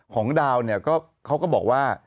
ของดาวเนี่ยเขาก็บอกว่า